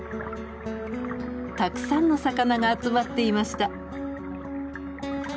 たくさんの魚が集まっていました。